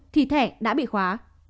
thì thẻ đã bị khóa